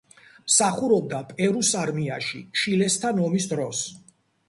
მსახურობდა პერუს არმიაში ჩილესთან ომის დროს.